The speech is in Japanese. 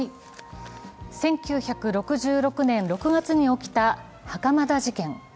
１９６６年６月に起きた袴田事件。